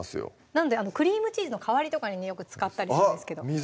なんでクリームチーズの代わりとかにねよく使ったりするんですけどあっ